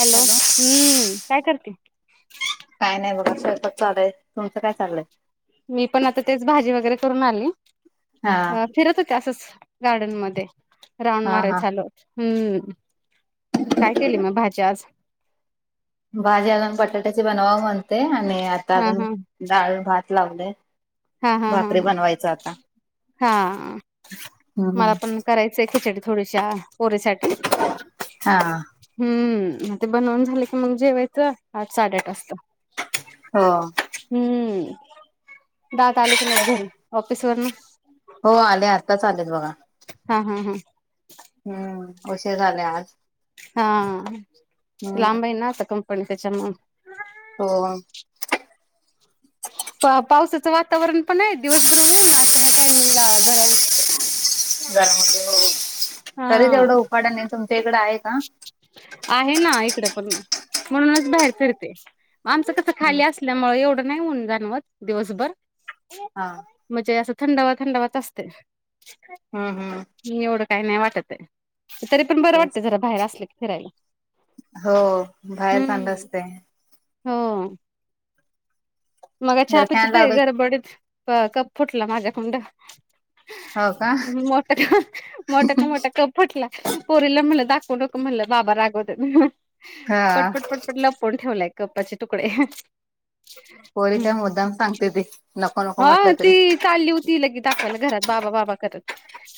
Hello, हम्म, काय करते? काय नाही बघा, स्वयंपाक चाललंय. तुमचं काय चाललंय? मी पण आता तेच भाजी वगैरे करून आली. हा अं फिरत तसंच गार्डन मध्ये. राऊंड हा हा मारायला चाललो. हम्म. काय केली मग भाजी आज? भाजी ना, बटाट्याची बनवावं म्हणते आणि आता हा अजून हा डाळ भात लावलंय. हा हा हा भाकरी हा बनवायचं आता. हा. हम्म मला पण करायचंय खिचडी थोडीश्या, पोरीसाठी. हा. हम्म, मग ते बनवून झाले की मग जेवायचं आठ साडेआठ वाजता. हो. हम्म. दादा आले की नाहीत घरी? ऑफिस वरून? हो आले, आत्ताच आलेत बघा. हा, हम्म हम्म. हम्म उशीर झालाय आज. हा हम्म लांब आहे ना आता कंपनी त्यांच्यामुळे. हो. पावसाचं वातावरण पण आहे दिवसभर ऊन आता ह्या टाइमिंगला गरम होतेय. तरीच हा एवढा उकाडा नाही तुमच्याकडे आहे. आहे ना इकडं पण म्हणूनच बाहेर फिरते म आमचं कसं खाली अस त्यामुळे एवढं नाही ऊन जाणवत दिवसभर. हा म्हणजे असं थंडावा थंडावाच असते. हा हा मी एवढं काही नाही वाटत आहे, तरी पण बरं वाटत तेच जरा बाहेर असले का फिरायला. हो बाहेर चांगल हम्म. असते. हो. मग चहा जर पित फॅन होते लावले गडबडीत कप फुटला माझ्याकडून हो का [inaudible] फुटला पोरीला म्हणलं दाखवू नक म्हणलं बाबा रागवतायत ह ह हा पटपट पट. लपवुन ठेवलाय कप्प्याचे तुकडे ह. पोरी काय ह्म्म मुद्दाम सांगते ती नको नको म्हटलं हा तरी ती चालली होती लगी पहिल घरात बाबा बाबा करत.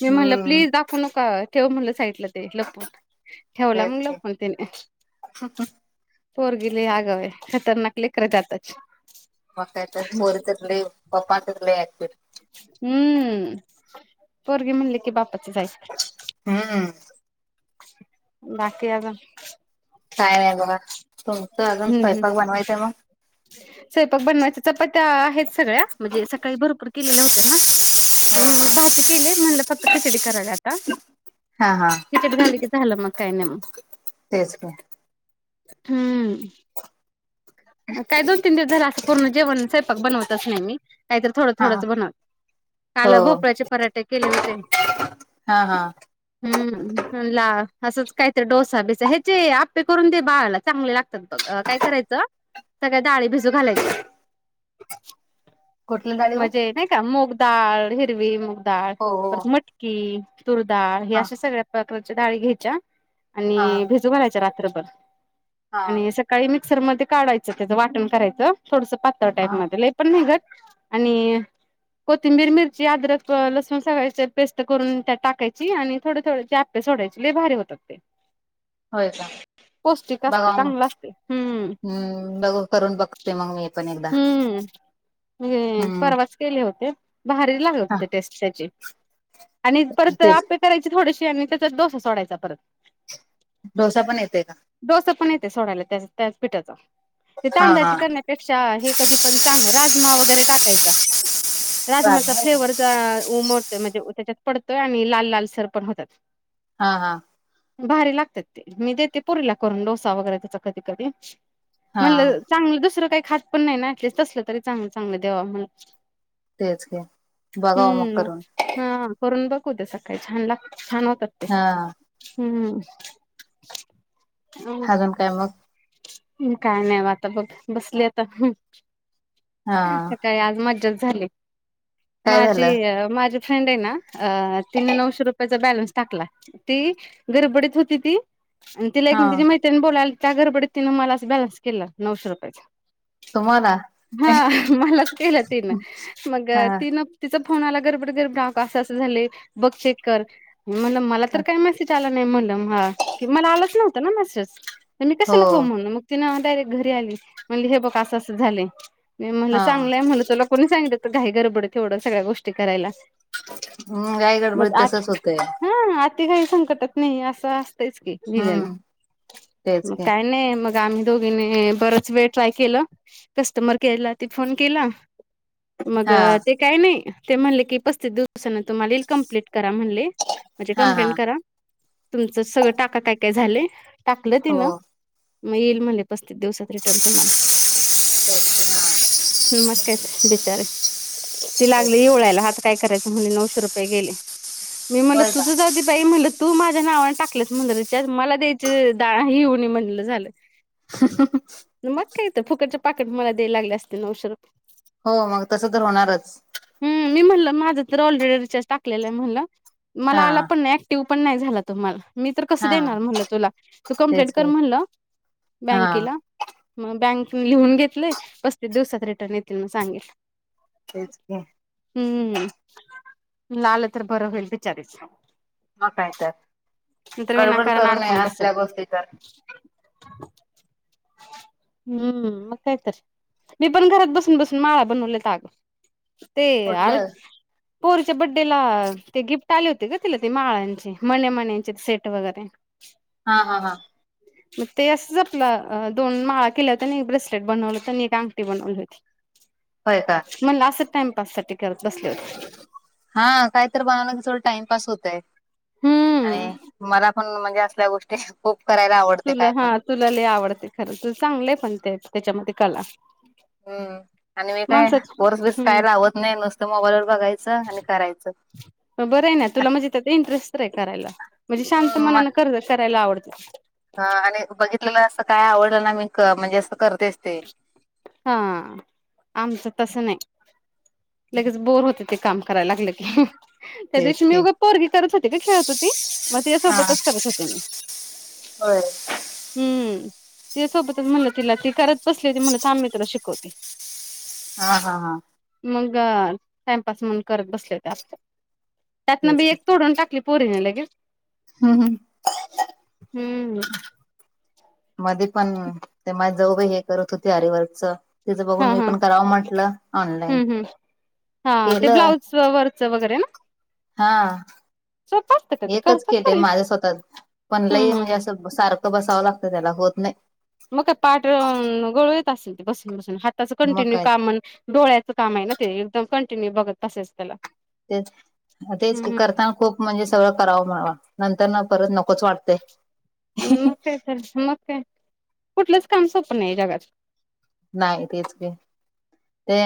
मी म्हणलं हम्म प्लीज दाखवू नको ठेव म्हणलं साईडला. ते लपवुन, ठेवला तेच मग की लपवुन तिन. पोरगी लय आगाऊ हाय खतरनाक लेकर जातच. मग काय तर पोरीचलय पापांचच लय ऐकत्यात. हम्म पोरगी म्हणल की बापचच आकत्यात. हा. बाकी अजून? काय नाय बघा, तुमचं अजून स्वैपाक बनवायचं मग? स्वयपाक बनवायचा चपात्या आहेत सगळ्या, म्हजे सकाळी भरपूर केलेल्या होत्या ना. हम्म मग भाजी केली म्हणलं फक्त खिचडी करावी आता. हा हा खिचडी झाली की झालं मग काय नाय मग. तेच [unintelligible] हम्म.. काय दोन तीन दिवस झाल असं पूर्ण जेवण स्वयपाक बनवतच नाय मी. काय तर थोडं हा थोडंच बनवते हो काल भोपळा्याचे पराठे केले होते. हा हा. हम्म ला असंच काहीतरी डोसा बिसा ह्याचे आपे करून दे बाळाला चांगले लागते. -बघ काय करायचं? सगळ्या डाळी भिजू घालायच्या, कुठली डाळी हो म्हजे नाही का मुग डाळ हिरवी मुगडाळ हो हो परत मटकी तुरडाळ हे हा अश सगळ्या [unintelligible] डाळी घ्यायच्या हा आणि भिजू घालायच्या रात्रभर हा आणि स सकाळी मिक्सर मध्ये काढायचं त्याचं वाटण करायचं थोडस पातळ हा टाईप मध्ये लय पण [unintelligible] आणि कोथिंबीर, मिरची, अद्रक, लसूण सगळ्या ह्याच्यात पेस्ट करून त्यात टाकायची आणि थोड थोड ते सोडायचे लय भारी होतात ते. [inaudible] होय का पौष्टिक असते बघा चांगलं मग असते हम्म हम् बघ करून बघ ते मंग मी पण एकदा, हम्म म्हणजे हम्म परवाच केले होते. भारी लागत हा होती. टेस्ट त्याची, आणि परत तेच आप्पे करायची थोडेशी, आणि त्याचाच डोसा सोडायचा परत डोसा पण येतयं का? डोसा पण येतयं सोडायला त्या, त्याच पिठाचा ते हा हा तांदाळाचे कणे क्षा, हे कधी पण चांगला, राजमा वगैरे टाकायचा. राजमाचा राजमा आहे का? फ्लेवर चा उमटतोय. मजे त्याच्यात पडतोय. आणि लाल लाल सर पण होत्यात. हा हा. भारी लागत्यात ते, मी देते पोरीला करून डोसा वगैरे त्याचा कधी कधी हा म्हणलं, चांगलं दुसरं कायं खात पण नाय ना, ऍटलीस्ट तसलं तरी चांगलं चांगलं दयावा म्हणून तेच की बघावं मग हम्म, करून मग हा करून बघ उद्या ते सकाळी छान लाग, छान होतात. हा हम्म हाजून काय मग? हूं, काय नाय आता बघ बसली आता. हूं हा सकाळी आज मज्जाच झाली. काय माझी झालं अ माझी फ्रेंड हाय न, तिनं नऊशे रुपयाचा बॅलन्स टाकला. ती गरबडीत होती ती आणि तिला एक हा तिची मैत्रीण बोलायलायत्या गडबडीत तिनं मलाच बॅलेन्स केला नऊशे रुपयांचा तुम्हाला हा मलाच केला. तिनं मग हा तिनं तिचा फोन आला. गरबडत गरबडत हाबग अस असं झालय. बघ चेक कर. म्हणलं, मला तर काय मेसेज आला नाही म्हणल म ह, मला आलंच नव्हता ना, मेसेज त मी कशाला हो म्हणू मग ती नं डायरेक्ट घरी आली. म्हणली हे बघ असं असं झालय. मी म्हनलं हा चांगलंय म्हटलं तुला कोणी सांगितलं होत. घाई गरबडीत एवढ्या सगळ्या गोष्टी करायला. हम्म, घाई मग गडबडीत आत तसच होतंय. हा, आती घाई संकटात नेई, असं असतच की‌ लिहिलेला. हम्म तेच म की कायं नायं मग त आम्ही दोघींनी बरच वेळ ट्राय केल. कस्टमर केअरला ते फोन केला मग हा ते काय नाई. ते म्हणले की पस्तीस दिवसांन तुम्हाला येईल कमप्लीट करा म्हणले. म्हणजे हा हा कंप्लेंट करा. तुमचं सगळं टाका काय काय झालंय. टाकल हो तिनं हा म येईल म्हणले, पस्तीस दिवसात रिटर्न तुम्हाला. [inaudible] हूं, मग काय बिचारी, ती लागली ईवळायला हात काय करायचं म्हणले, नऊशे रुपये गेले. मी म्हणलं होय का तुझं जाऊ देत बाई म्हणलं तू माझ्या नावाने टाकलंस म्हणलं रिचार्ज, मला द्यायचं दा हे होऊ नये म्हणलं झालं. [unintelligible] मग काय त, फुकटचे पाकिट मला द्यायला लागले असते. नऊशे रुपये. हो, मग तसं तर होणारच हूं, मी म्हणलं माझं तर ऑलरेडी रिचार्ज टाकलेलायं म्हणलं. मला हा आला पण नाय. टीव पण नायं झाला तो मला मी तर कसं हा देणार म्हणलं तुला, तू कंप्लेंट तेच कर की म्हणलं हा बँकेला मग बँक नी लिहून घेतलय. पस्तीस दिवसात रिटर्न येतील म सांगितल तेच क्या हम्म, म्हंणलं आलं तर बरं होईल बिचारीचं. मग काय तर नंतर गडबड विनाकारण करू नये अडकून बसल. असल्या गोष्टी तर हम्म, मग काय तर, मी पण घरात बसून बसून माळा बनवलेत आग ते अर कुठलं पोरीच्या बर्थडेला ते गिफ्ट आले होते ग तिला ती माळांची मण्या मण्यांचे सेट वगैरे. [inaudible] हा हा हा. मग ते असंच आपलं दोन माळा केलं होत नाय एक ब्रेसलेट बनवलं होत आणि एक अंगठी बनवली होती. होय का? म्हंटलं, असच टाइमपास साठी करत बसले होते. हा काहीतर बघायला गेलं, तर टाइमपास होतय हम्म आणि मला पण म्हणजे असल्या गोष्टी खूप करायला आवडते, तुला काय पण हा तुला लय आवडते खरं, तर चांगलेय पण ते त्याच्यामध्ये कला. हम्म, आणि मी काय माणसाची वर्स बीस काय हम्म लावत नाय, नुसतं मोबाईल वर बघायचं आणि करायचं. बरंय ना, तुला म्हणजे त्यात इंटरेस्ट तरी आहे करायला. म्हणजे शांत हम्म मनानं मग कर करायला आवडते. आणि बघितलेलं असं काय आवडलं ना, मी म्हणजे असं करतेच ते. हा, आमचं तसं नाही लगेच बोर होत ते काम करायला लागलं की. त्या तेच दिवशी मी की उगं पोरगी करत होते ग खेळत होती, मग तिच्या हा सोबतच करत होते मी. होय. हम्म, तिच्या सोबतच म्हणलं तिला ती करत बसलेली म्हणलं, थांब मी तुला शिकवते. हा हा हा. मग टाइमपास म्हणून करत बसले त्यास्त, त्यातनं तेच बी की. एक तोडून टाकली पोरीने लगीच, हम्म हम्म. हम्म. मध्ये पण ते माझी जाऊ बाई हे करत होते आरीवर्कच. तिज बघून हा मी हा. पण करावं म्हटलं, ऑनलाईन केलं. स्ववरच वगैरे ना. हा सोपं असतं का ते एकच करतात केलते तरी. माझ्या स्वतःच पण लई हम्म म्हणजे हम्म. असं सारखं बसावं लागतं त्याला होत नाही. मग काय पाठ गळून येत असेल, ते बसून बसून हाताच मग कंटिन्यू काय काम अन् डोळ्याचं काम आहे ना ते. एकदम कंटिन्यू बघत बसायचं त्याला. तेच मग तेच की, हम्म. करताना खूप म्हणजे सगळं करावं म्हणावा नंतर न परत नकोच वाटतंय. मग काय तर, मग काय कुठलंच काम सोपं नाही जगात. नाही तेच की. ते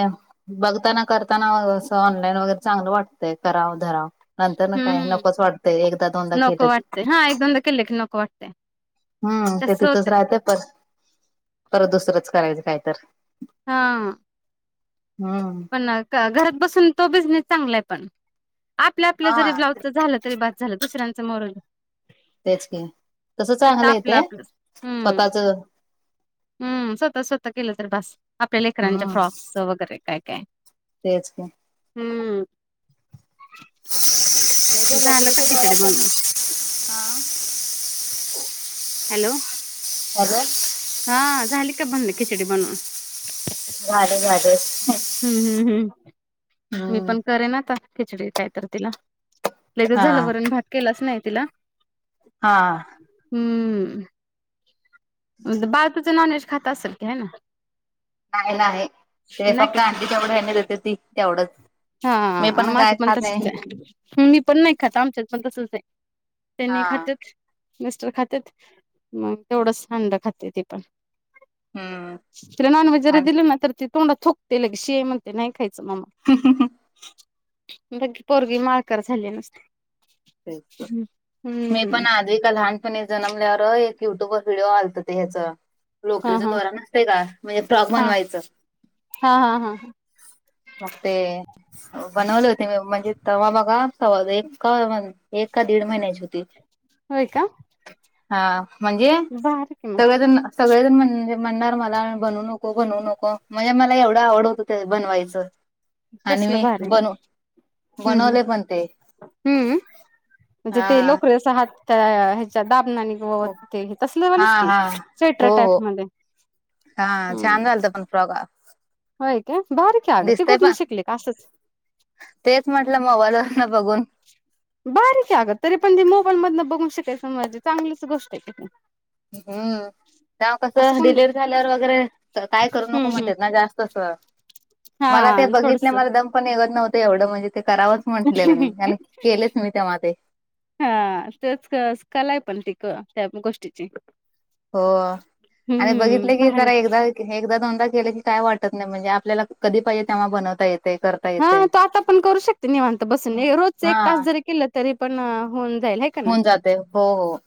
बघताना करताना असं ऑनलाईन वगैरे चांगलं वाटतंय करावं धराव नंतर न काय हम्म. नकोच वाटतंय, एकदा, दोनदा नको केलं की. वाटतंय. हा एक, दोनदा केलं की नको वाटतय. हम्म, ते तिथंच राहतेय पर परत, दुसरंच करायचं काय तर. हा. हम्म. पण घरात बसून तो बिझनेस चांगलाय पण, आपल्या आपल्या हा जरी ब्लाऊजच झालं तरी बास झालं, दुसऱ्यांचं मरूदे. तेच की, तस चांगलं आहे आपलं ते आपलंच हम्म स्वतःच हम्म, स्वतः स्वतः केलं तरी बास आपल्या लेकरांच्या हम्म फ्रॉक्सच वगैरे. [unintelligible] तेच की. हम्म. [unintelligible] झालं का खिचडी बनवून [inaudible] हॅलो. हॅलो. हा झाली का म्हणले खिचडी बनवून? झाली झाली. हम्म हम्म हम्म मी पण करेन आता खिचडी काय तर तिला. लय दिवसं हा झालं वरन भात केलाच नाय तिला. हा. हम्म बाळ तुझं नॉन व्हेज खात असेल की हे ना. नाही नाही ते नाही फक्त काय आंडी तेवढं ह्यांनी देते ती तेवढंच. हा मी आ काय माझं पण खात नाही तसच हाय, मी पण खात आमच्यात पण तसच ये. हा त्यांनी खात्यात. मिस्टर खातेेत मग तेवढंच अंड खाते ती पण. हम्म तिला नॉनव्हेज जरा आणि दिलं ना तर ती तोंडात थुकते लगेच शी ये म्हणते नाही खायचं ममा. हम्म हम्म हम्म. मग पोरगी माळकर झाली नुसती. मी हम्म पण आधी का लहान पण जन्मल्यावर एक युट्यूबर व्हिडिओ आलते ते ह्याच हा लोकरीचा हा दोरा नसतय का म्हणजे फ्रॉक हा बनवायचं. हा हा हा मग ते. बनवले होते मी म्हणजे तेव्हा बघा सवा एक का एक का दीड महिन्याची होती. होय का? हा म्हणजे भारी की मग सगळेजण सगळेजण म्हणजे म्हणणार मला बनवू नको बनवू नको म्हणजे मला एवढं आवड होतं ते बनवायचं. आणि कसलं मी भारी बनव हम्म हम्म बनवले पण ते. हम्म म्हणजे ते हा लोकरीचा हात ते चा दाबनाने ग व हो ते तसले हा वालेच की हा हो स्वेटर हो टाईप मध्ये हा छान हम्म झालत पण फ्रॉग होय काय? भारी कीे आग ती कुठन पण शिकली का असच तेच म्हटलं मोबाईल वरन बघून भारी की अग तरी पण ती मोबाईल बघून शिकायच म्हणजे चांगलीच गोष्ट ये की हम्म. तेव्हा असं कसं कोण डिलेवरी झाल्यावर वगैरे काय करू हम्म नको हम्म म्हणतेेत ना जास्त असं मला ते हा थोडस बघितल्या मला दम पण निगत नव्हत एवढं म्हणजे ते करावं म्हटलेलं मी आणि केलेच मी तेव्हा ते हा तेच क कलाय पण ती त्या गोष्टीची. हो आणि हम्म बघितलं की भारी जरा एकदा हे एकदा दोनदा केले की काय वाटत नाय म्हणजे आपल्याला कधी पायजे तेव्हा बनवता येते कर हा तो आता पण करू शकते निवांत बसून रोजच हा एक तास जरी केलं तरी पण होऊन जाईल हे होऊन जाते हो हो.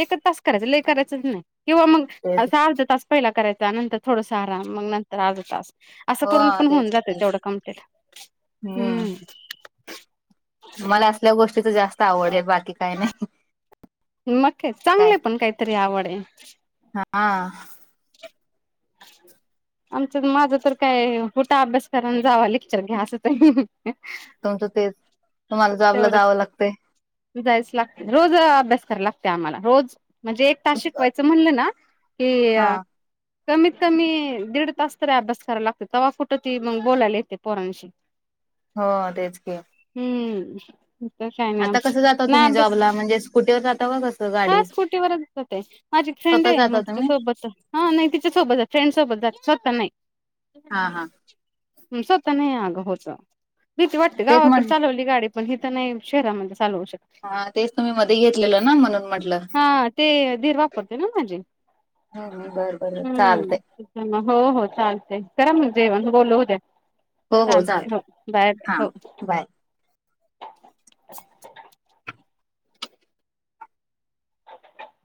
एकच तास करायचं लय करायचंच नाय किंवा मग तेच असा अर्धा तास पहिला करायचा नंतर थोडस आराम मग नंतर अर्धा तास असं हो करून पण होऊन तेच जात. की तेवढं काम केल हम्म मला असल्या गोष्टीच जास्त आवडेल बाकी काही नाही. मग काय चांगले पण काहीतरी आवड आहे. हा [inaudible] आमच माझं तर काय उठा अभ्यास करा न जावा लेक्चर घ्या असंच आहे. तुमचं तेच तुम्हाला जाॅबला जावं लागतय. जायच लागते रोज अभ्यास करायला लागते आम्हाला रोज म्हणजे एक तास शिकवायचं म्हणलं ना की. हा कमीत कमी दीड तास तरी अभ्यास करायला लागत तव्हा कुटं ती मग बोलायला येते पोरांशी हो तेच की हम्म काही नाही आता आमच कसं जाता ना तुम्ही जॉबला अभ्यास म्हणजे स्कूटीवर जाता का कसं गाडी हा स्कुटीवरच जाते. माझी एक फ्रेंड स्वतः आहे जाता मग तुम्ही त्यिच्यासोबतच हा नाही तिच्या सोबत जात फ्रेंड सोबत जात स्वतः नाही. हा हा स्वतः नाही अगं होत भीती वाटते तेच गावाकडे म्हण चालवली गाडी पण हित नाही शहरामध्ये चालवू शकत. हा तेच तुम्ही मध्ये घेतलेलं ना म्हणून म्हटलं हा ते दीर वापरतोय ना माझी हम्म, बरं बरं चालतंय हम्म हो हो चालतेय करा मग जेवण बोलु उद्या. हो चालते हो चालतंय बाय हा हो बाय [inaudible]